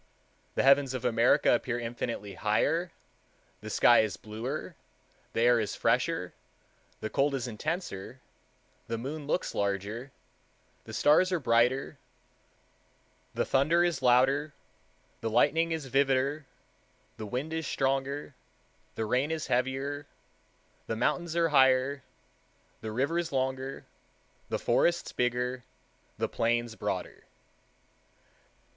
The heavens of America appear infinitely higher, the sky is bluer, the air is fresher, the cold is intenser, the moon looks larger, the stars are brighter the thunder is louder, the lightning is vivider, the wind is stronger, the rain is heavier, the mountains are higher, the rivers longer, the forests bigger, the plains broader."